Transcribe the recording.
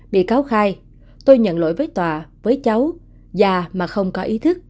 bị cáo khai tôi nhận lỗi với tòa với cháu già mà không có ý thức